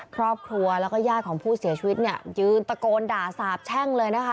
ครอบครัวแล้วก็ญาติของผู้เสียชีวิตเนี่ยยืนตะโกนด่าสาบแช่งเลยนะคะ